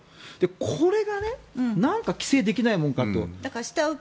これが何か規制できないものかと。